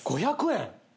５００円？